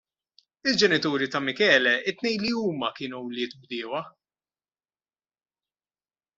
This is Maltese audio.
Il-ġenituri ta' Michele t-tnejn li huma kienu wlied bdiewa.